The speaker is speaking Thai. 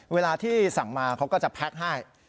เวลาที่สั่งมาเขาก็จะแพ็คให้